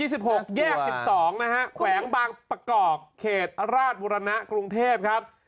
สุขสวัสดิ์๒๖แยก๑๒แหวงบางประกอบเขตราชบุรณะกรุงเทพครับ